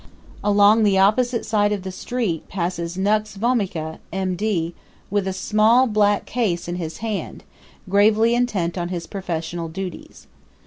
Along the opposite side of the street passes Nux Vomica, M.D., with a small black case in his hand, gravely intent on his professional duties.